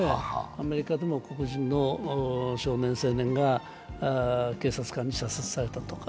アメリカでも黒人の少年、青年が警察官に射殺されたと。